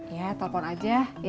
ya telpon aja ya